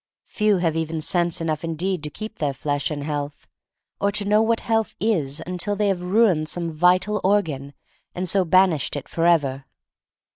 Few have even sense enough indeed to keep their flesh in health, or to know what health is until they have ruined some vital organ, and so ban ished it forever.